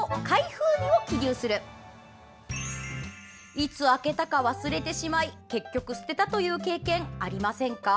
いつ開けたか忘れてしまい結局捨てたという経験ありませんか？